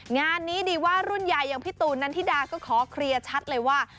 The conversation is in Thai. งานนี้ดีว่ารุ่นใหญ่อย่างพี่ตูนันทิดาก็ขอเคลียร์ชัดเลยว่า